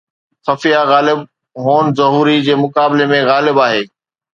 خفيه غالب هون ظهوري جي مقابلي ۾ غالب آهي